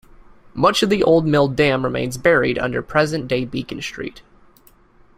Much of the old mill dam remains buried under present-day Beacon Street.